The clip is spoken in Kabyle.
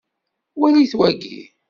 Walit wagi.